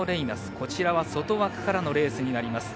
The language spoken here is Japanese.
こちらは外枠からのレースになります。